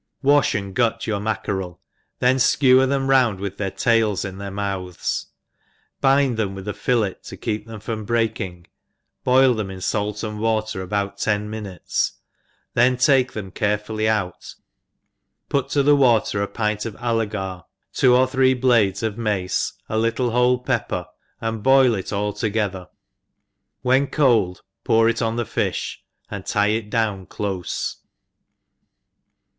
WASH and gut your mackarel, then ikewer them round with their tails in their mouths^ bind them with a fillet to keep them from break ing, boil theman fait and water about ten mi nutes, then take them carefully out, put to the water a pint of allcgar, two or three bladcs^ of mace, a little whole pepper, and boil it all to gether ; when cold pour it pn the fifti, and tie it down clofe.